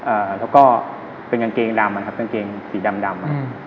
อ่าแล้วก็เป็นกางเกงดำอ่ะครับกางเกงสีดำดำครับ